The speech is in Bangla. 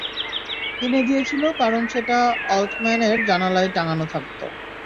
কিনে দিয়েছিল কারণ সেটা অল্টম্যানের জানালায় টাঙানো থাকতো।